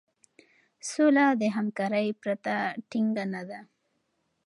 سوله د همکارۍ پرته ټينګه نه ده.